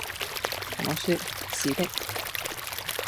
」我説「是的。」